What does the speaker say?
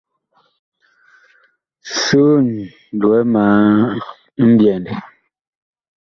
Soon, lowɛ ma mbyɛndɛ.